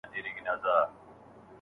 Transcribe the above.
مکتب کې خپله ژبه ده، ماشوم نه خپه کېږي.